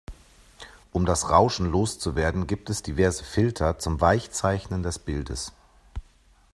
Um das Rauschen loszuwerden gibt es diverse Filter zum Weichzeichnen des Bildes.